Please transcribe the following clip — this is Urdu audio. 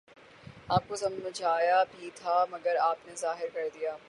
آپ کو سمجھایا بھی تھا مگر آپ نے ظاہر کر دیا۔